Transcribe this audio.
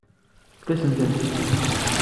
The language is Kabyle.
Fkan-as-ten.